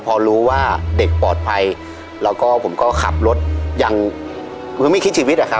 พอรู้ว่าเด็กปลอดภัยแล้วก็ผมก็ขับรถยังคือไม่คิดชีวิตอะครับ